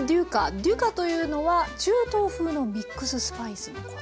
「デュカ」というのは中東風のミックススパイスのこと。